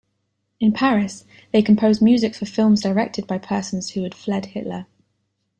In Paris, they composed music for films directed by persons who had fled Hitler.